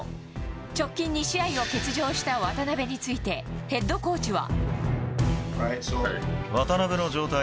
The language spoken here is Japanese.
直近２試合を欠場した渡邊について、ヘッドコーチは。